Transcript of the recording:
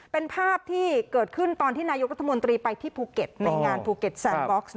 เป็นภาพที่เกิดขึ้นตอนที่นายกรัฐมนตรีไปที่ภูเก็ตในงานภูเก็ตแซนบ็อกซ์